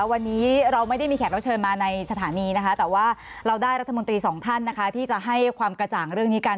วันนี้เราไม่ได้มีแขกรับเชิญมาในสถานีนะคะแต่ว่าเราได้รัฐมนตรีสองท่านนะคะที่จะให้ความกระจ่างเรื่องนี้กัน